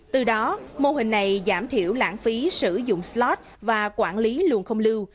từ đó mô hình này giảm thiểu lãng phí sử dụng slot và quản lý luồng không lưu